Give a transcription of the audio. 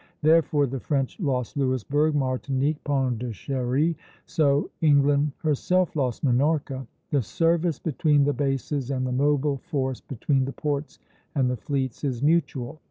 Therefore the French lost Louisburg, Martinique, Pondicherry; so England herself lost Minorca. The service between the bases and the mobile force between the ports and the fleets is mutual.